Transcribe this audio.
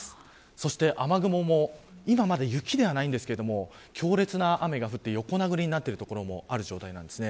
そして、雨雲も今、まだ雪ではないですが強烈な雨が降って横殴りになっている所もある状態です。